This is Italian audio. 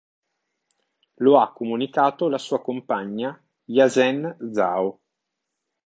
Lo ha comunicato la sua compagna Yazhen Zhao.